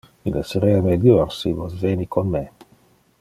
Il esserea melior si vos veni con me.